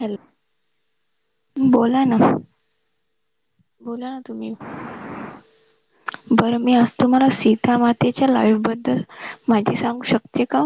Hello. बोलाय ना. बोला ना तुम्ही? बरं मी आज तुम्हाला सीता मातेच्या लाईफ बद्दल माहिती सांगू शकते का?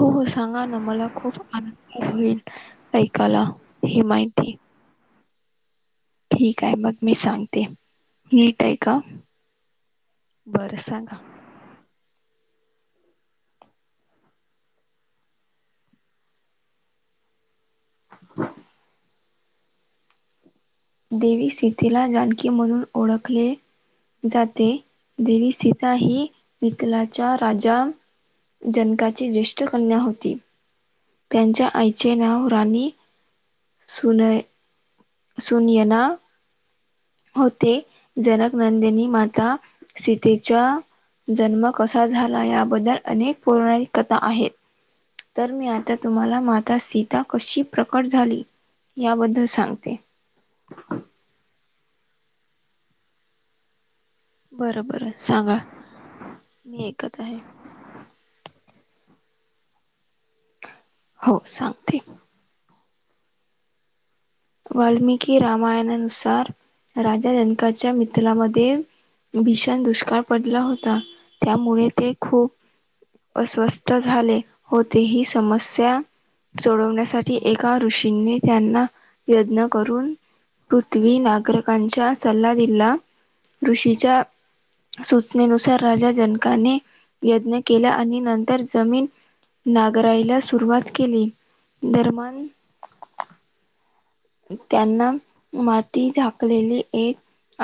हो हो सांगा ना मला खूप आनंद होईल ऐकायला ह माहिती ठीक आहे मग मी सांगते मिीट आहे का? बरं सांगा. [unintelligible] देवी सितीला जानकी म्हणून ओळखले जाते. देवी सीता ही वथलाचा राजा जनकाची ज्येष्ठ कन्या होती त्यांच्या आईचे नाव होरणी सून सूनयना ना. होते जनक नंदिनी माता सीतेच्या जन्म कसा झाला याबद्दल अनेक पौराणणिक कथा आहेत. तर मी आता तुम्हाला मात्रा सीता कशी प्रकट झाली. याबद्दल सांगते. बरं बरं सांगा मी ऐकत आहे. हो सांगते वाल्मिकी रामायणानुसार राजा जनकाच्या मित्रमध्ये भीषण दुष्काळ पडला होता त्यामुळे ते खूप अस्वस्थ झाले होते ही समस्या सोडवण्यासाठी एका ऋषींनी त्यांना यज्ञ करून पृथ्वी नागरिकांचा सल्ला दिला ऋषीचा सूचनेनुसार राजा जनकाने यज्ञ केला आणि नंतर जमीन नागराईला सुरुवात केली दरमन त्यांना माती झाकलेली एक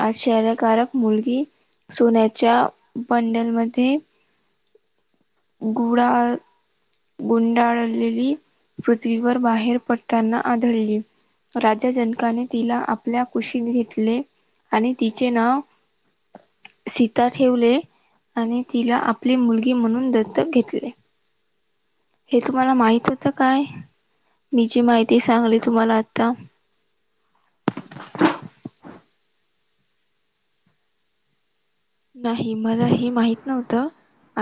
आश्र्यकारक मुलगी सोन्याच्या बंडलमध्ये गुळा गुंडाळलेली पृथ्वीवर बाहेर पडताना आढळली. राजा जनकाने तिला आपल्या कुशीत घेतले. आणि तिचे नाव सीता ठेवले आणि तिला आपली मुलगी म्हणून दत्त घेतले हे तुम्हाला माहित होतं काय मी जी माहिती सांगली तुम्हाला आता नाही मला हे माहित नव्हतं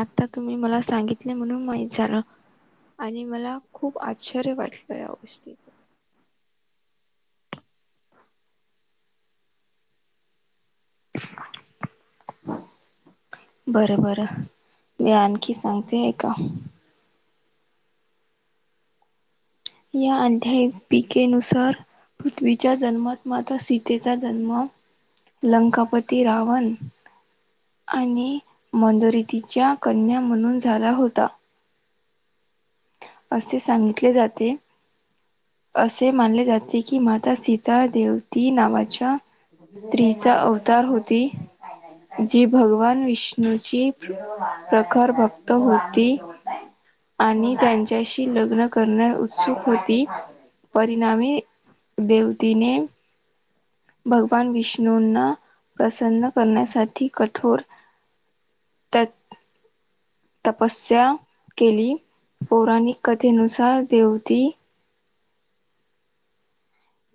आता तुम्ही मला सांगितले म्हणून माहीत झालं. आणि मला खूप आश्चर्य वाटलं या गोष्टीच [unintelligible] [inaudible] बरं बर मी आणखी सांगते आहे का? या अध्या पिकेनुसार पृथ्वीच्या जन्मात माता सी तिचा जन्म लंकापती रावन आणि मंदोरितीच्या कन्या म्हणून झाला होता. असे सांगितले जाते. असे मानले जाते की माता सीता देवती नावाच्या स्त्रीचा अवतार होती. जी भगवान विष्णूची प्रखर भक्त होती. आणि त्यांची अशी लग्न करणे उत्सुक होती परिणामी देवतीने भगवान विष्णूंना प्रसन्न करण्यासाठी कठोर त [inaudible] तपस्या केली पौराणिक कथेनुसार देवती.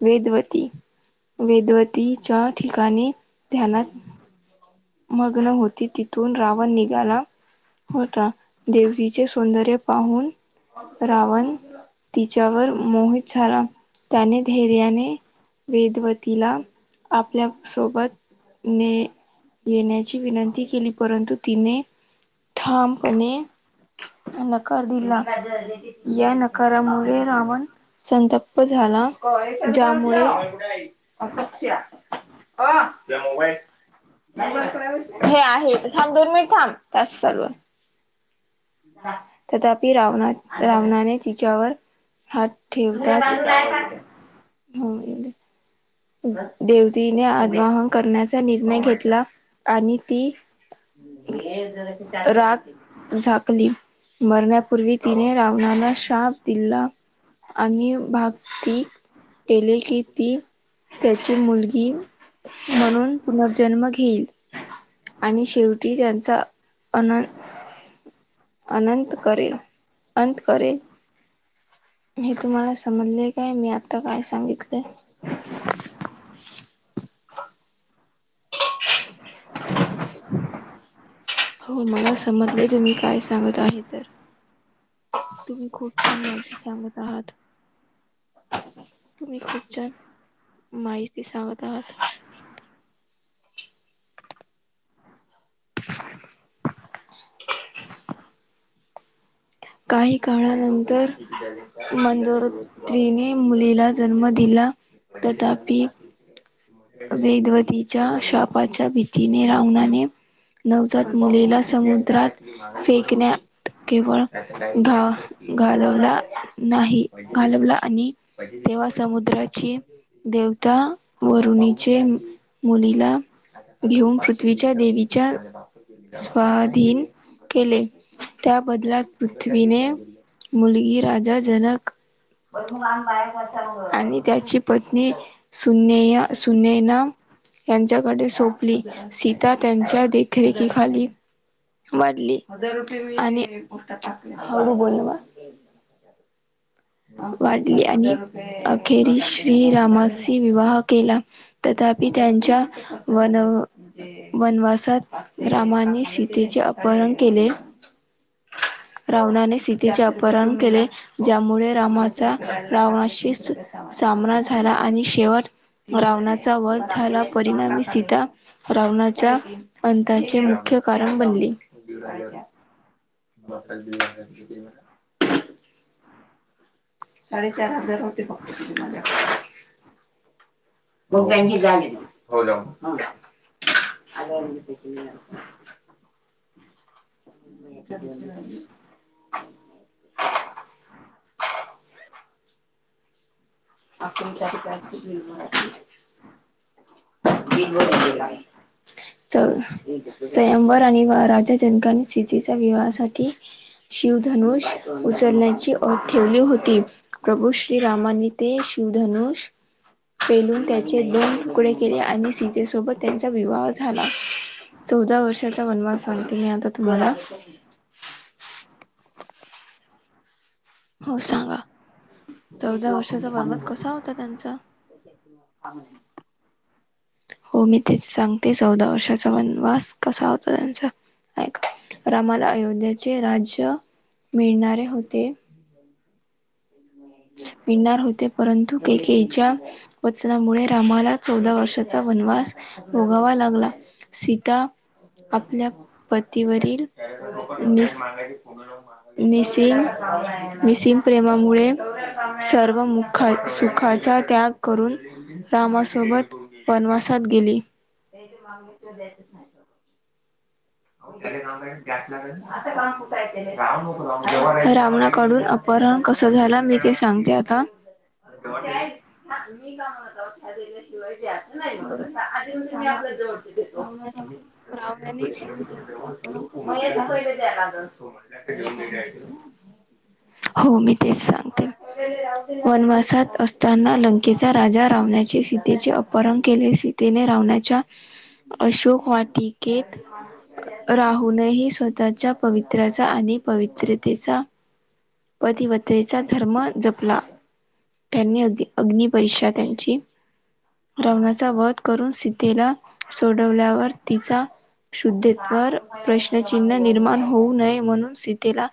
वेदवती वेदवतीच्या ठिकाणी ध्यानात मग्न होती तिथून रावण निघाला. होता देवतीचे सौंदर्य पाहून रावण तिच्यावर मोहित झाला त्याने धैर्याने वेदवतीला आपल्यासोबत ने येण्याची विनंती केली परंतु तिने ठामपणे नकार दिला या नकारामुळे रावन संतप्त झाला ज्यामुळे अ स ह त मबाईल हे आहे थांब दोन मीनीट थांब टास्क चालू आहे. तथापि रावणा रावणाने तिच्यावर हा ठेवताच घेऊनगेले. देवतीने आगवाहन करण्याचा निर्णय घेतला आणि ती राग झाकली. मरण्यापूर्वी तिने रावणाला शाप दिला. आणि भागतीी केले की ती त्याची मुलगी म्हणून पुनर्जन्म घेईल आणि शेवटी की त्यांचा अनन अनंत करेल अंत करेल. मी तुम्हाला समजलेय काय मी आता काय सांगितलंय. [inaudible] [inaudible] हो मला समजले ज मी काय सांगत आहे तर तुम्ही खूप छान माहिती सांगत आहात. तुम्ही खूप छान माहिती सांगत आहात. काही काळानंतर मंदरत्रीने मुलीला जन्म दिला तथापि वेदवतीच्या शापाच्या भीतीने रावणाने नवजात मुलीला समुद्रात फेकण्यात केवळ घा घालवला नाही घालवला आणि तेव्हा समुद्राची देवता ऋणी मुलीला घेऊन पृथ्वीच्या देवीच्या स्वाधीन केले त्या बदलात पृथ्वीने मुलगी राजा जनक आणि त्याची पत्नी सु सुनेना यांच्याकडे सोपली सीता त्यांच्या देखरेखीखाली मा हजार रुपी आणिोाकले हळू बोल म वाढली आणि अखेरी श्रीरामाशी विवाह केला तथपि त्यांच्या वन वनवासात रामाने सीतेचे अपहरण केले रावणाने सितीचे अपहरण केले ज्यामुळे रामाचा रावणाशी सामना झाला आणि शेवट रावणाचा वध झाला परिणामी सीधा रावणाच्या अंताचे मुख्य कारण बनले बफत साडेचार हजार होते फक्त त माझ्याकडे मुगंग हो [inaudible] [inaudible] आपण त्याधिकची निर्भर च स्यंववर आणि राजा जनकनी स्ितीच्या विवाहासाठी शिवधनुष उचलण्याची ओट ठेवली होती प्रभू श्रीरामानी ते शिवधनुष पेलून त्याचे दोन तुकडे के आणि सीजेसोबत त्यांचा विवाह झाला चौदा वर्षाचा वनमान सांगतीने आता तुम्हाला. कराले हो सांगा चौदा वर्षाचा बर्वाद कसा होता त्यांचा ह हो मी तेच सांगते चौदा वर्षाचा वनवास कसा होता त्यांचा रामाला अयोध्याचे राज्य मिळणारे होते पिनणार होते परंतु केकच्या वचनामुळे रामाला चौदा वर्षाचा वनवास भोगावा लागला सीता आपल्या पतीवरील नि मिसिम मिसिम प्रेमामुळे सर्व सुखाचा त्याग करून रामासोबत पनवासात गेली हम्. अग्निपरीक्षा द्यायचीच नाही. रावणाकडून, अपहरण कसं झाला मी ते सांगते आता मी काय म्हण ‌ मागितल्या शिवाय द्यायचं नाही म्हण, आधीमधी मी आपल्या जवळचं देतो. रावणाने मये थापायला येत्या का गं ॽ हो, मी तेच सांगते. वनवासात असताना, लंकेचा राजा रावणाने सीतेचे अपहरण केले. सीतेने रावण्याच्या अशोक वाटिकेत राहुूनही स्वतःच्या पवित्राचा आणि पवित्रतेचा पधिवत्रेचा धर्म जपला त्यांनी अग्न परीक्षा त्यांची रावणाचा वध करून सीतेला सोडवल्यावर तिचा [unintelligible] प्रश्नचिन्ह निर्माण होऊ नये, म्हणून सीतेला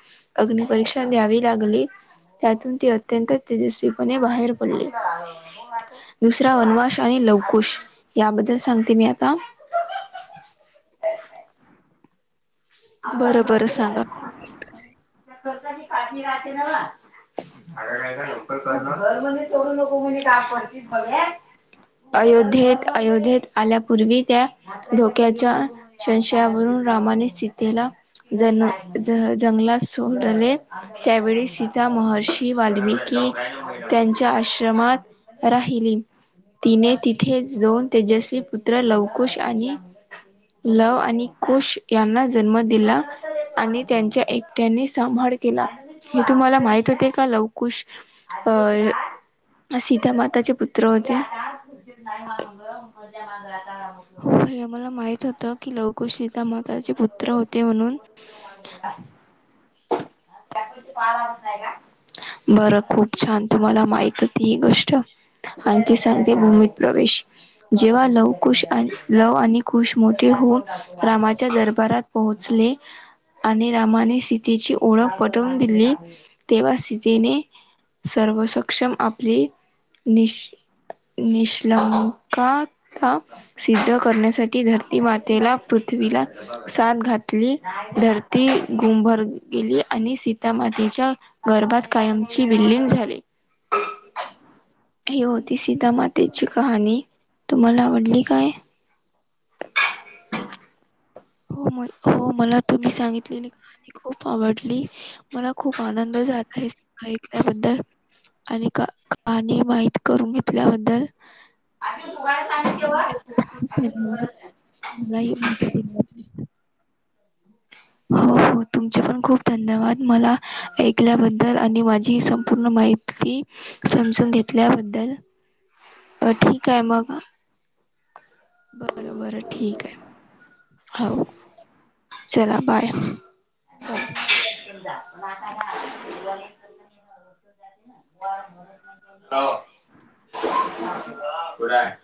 अग्निपरीक्षा द्यावी लागली. त्यातून ती, अत्यंत तेजस्वीपणे बाहेर पडली. दुसरा वनवाश आणि लवकुश आ [unintelligible] बरं बरं त्या सांगा. दत्ताची काकी राहते न्हवं, अग जरा लवकर कर [inaudible] म्हणून सोडून तु हे काय करतीस बघ ए, अयोध्येत, अयोध्येत आल्यापूर्वी, त्या धोक्याच्या संशयावरून रामाने सी ज-जंगलात सोडले. त्यावेळी सीता, महर्षी वाल्मिकी त्यांच्या आश्रमात राहिली. तिने तिथेच दोन तेजस्वी पुत्र लवकुश आणि लव आणि कुश यांना जन्म दिला. आणि त्यांचा एकटीने सांभाळ केला. हे तुम्हाला माहित होते का लवकुश? अ. सीता माताचे पुत [unintelligible] हो. हे आम्हाला माहित होतं की, लवकुश सीता माताचे पुत्र होते म्हणून. [unintelligible] [unintelligible] बरं खूप छान, तुम्हाला माहित होती ही गोष्ट? आणखी, साधी भूमीत प्रवेश. जेव्हा लवकुश आणि लव आणि कुश मोठे होऊन, रामाच्या दरबारात पोहोचले. आणि रामाने, सीतेची ओळख पटवून दिली. तेव्हा सी तेने सर्व सक्षम आपली निश् -निष्कंलकता सिद्ध करण्यासाठी, धरती मातेला पृथ्वीला साद घातली. धरती भंगुर झाली आणि सीता, मातीच्या गर्भात कायमची विलीन झाली. [unintelligible] ही होती सीता मातेची कहाणी, तुम्हाला आवडली काय? [unintelligible] हो मला, हो मला तुम्ही सांगितलेली कहाणी खूप आवडली. मला खूप आनंद झाला आहे, हे ऐकल्याबद्दल. आणि का-कहाणी, माहीत करून घेतल्याबद्दल मला, मला ही माहिती हो. हो, तुमचे पण खूप धन्यवाद. मला ऐकल्याबद्दल, आणि माझी ही संपूर्ण माहिती समजून घेतल्याबद्दल, अ.. ठीक आहे मग. बर बर ठीक आहे हो. चला बाय. म [inaudible] बाय. हो कड [inaudible]